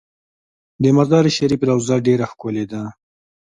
د مزار شریف روضه ډیره ښکلې ده